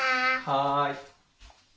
はい。